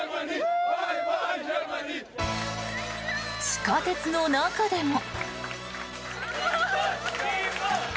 地下鉄の中でも。